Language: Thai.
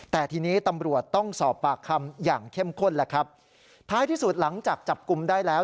แต่ทีนี้ตำรวจต้องสอบปากคำอย่างเข้มข้นแหละครับท้ายที่สุดหลังจากจับกลุ่มได้แล้ว